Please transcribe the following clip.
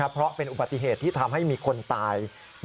เพราะเป็นอุบัติเหตุที่ทำให้มีคนตาย